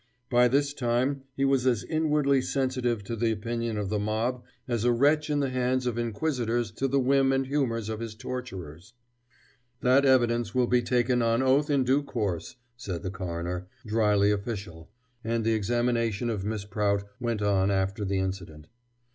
By this time he was as inwardly sensitive to the opinion of the mob as a wretch in the hands of inquisitors to the whim and humors of his torturers. "That evidence will be taken on oath in due course," said the coroner, dryly official, and the examination of Miss Prout went on after the incident.